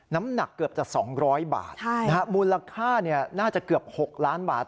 น้ำหนักเกือบจะ๒๐๐บาทมูลค่าน่าจะเกือบ๖ล้านบาท